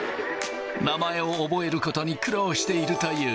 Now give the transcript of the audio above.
名前を覚えることに苦労しているという。